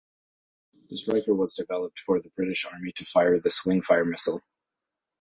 The Striker was developed for the British Army to fire the Swingfire missile.